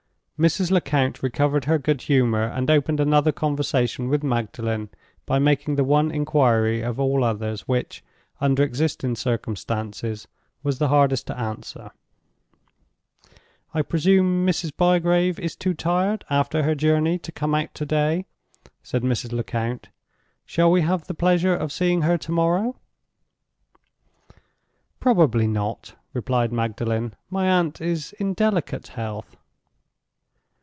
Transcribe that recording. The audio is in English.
Mrs. Lecount recovered her good humor, and opened another conversation with Magdalen by making the one inquiry of all others which, under existing circumstances, was the hardest to answer. "I presume Mrs. Bygrave is too tired, after her journey, to come out to day?" said Mrs. Lecount. "Shall we have the pleasure of seeing her tomorrow?" "Probably not," replied Magdalen. "My aunt is in delicate health."